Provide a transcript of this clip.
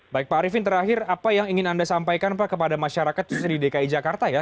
baik pak arifin terakhir apa yang ingin anda sampaikan pak kepada masyarakat khususnya di dki jakarta ya